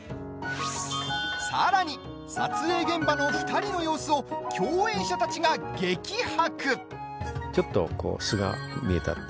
さらに、撮影現場の２人の様子を共演者たちが激白。